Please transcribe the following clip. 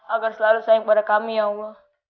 agar selalu sayang kepada kami ya allah